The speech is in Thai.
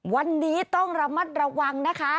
วันนี้ต้องระมัดระวังนะคะ